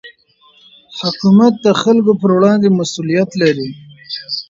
حکومت د خلکو پر وړاندې مسوولیت لري